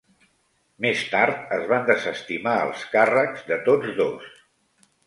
Més tard es van desestimar els càrrecs de tots dos.